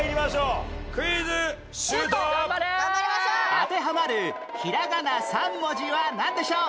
当てはまるひらがな３文字はなんでしょう？